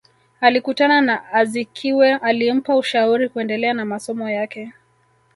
Alikutana na Azikiwe alimpa ushauri kuendelea na masomo yake